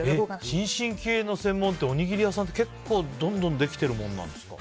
新進気鋭の専門店おにぎり屋さんって結構どんどんできてるものなんですか？